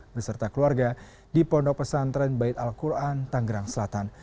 beserta keluarga di pondok pesantren bait al quran tanggerang selatan